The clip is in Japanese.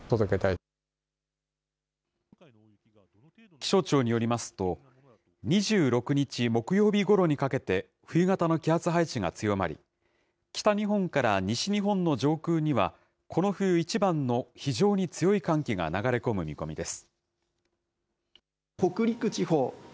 気象庁によりますと、２６日木曜日ごろにかけて、冬型の気圧配置が強まり、北日本から西日本の上空には、この冬一番の非常に強い寒気が流れ込む見込みです。